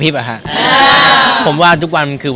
เอาถามผมครับ